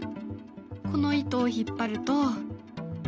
この糸を引っ張ると。